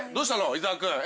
伊沢君。